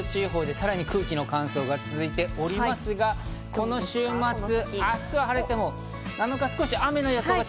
さらに空気の乾燥が続いておりますが、この週末、明日晴れても７日は雨の予想。